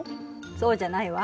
そうじゃないわ。